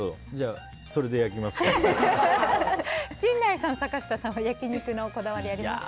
陣内さん、坂下さんは焼き肉のこだわりありますか？